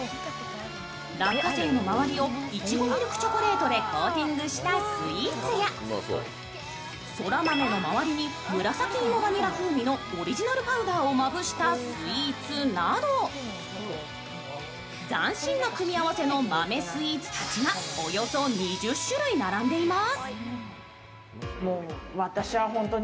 落花生の周りをいちごミルクチョコレートでコーティングしたスイーツやそら豆の周りに紫芋バニラ風味のオリジナルパウダーをまぶしたスイーツなど斬新な組み合わせの豆スイーツたちがおよそ２０種類並んでいます。